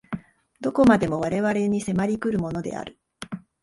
何処までも我々に迫り来るものである。